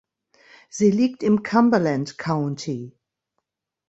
Sie liegt im Cumberland County.